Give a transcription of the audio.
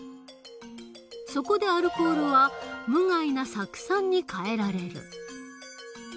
そこでアルコールは無害な酢酸に変えられる。